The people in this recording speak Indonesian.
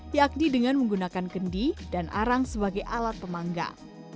yakni dengan menggunakan kendi dan arang sebagai alat pemanggang